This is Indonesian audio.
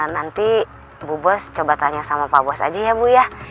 nanti bu bos coba tanya sama pak bos aja ya bu ya